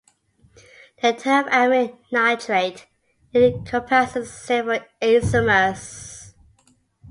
The term "amyl nitrite" encompasses several isomers.